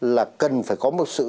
là cần phải có một sự